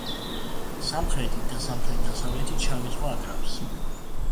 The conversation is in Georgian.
სამხრეთით და სამხრეთ დასავლეთით შავი ზღვა აკრავს.